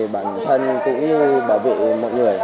bản thân cũng bảo vệ mọi người